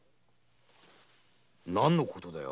何のことだよ。